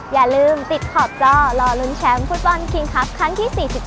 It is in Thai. อย่าลืมติดขอบจ้อรอลุ้นแชมป์ฟุตบอลคิงครับครั้งที่๔๒